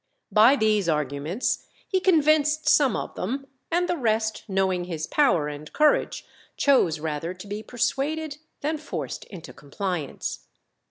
By these arguments he convinced some of them, and the rest knowing his power and courage chose rather to be persuaded than forced into compliance.